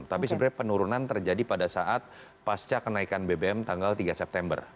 tapi sebenarnya penurunan terjadi pada saat pasca kenaikan bbm tanggal tiga september